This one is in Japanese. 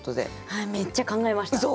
はいめっちゃ考えました。